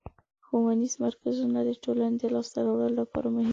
ښوونیز مرکزونه د ټولنې د لاسته راوړنو لپاره مهم دي.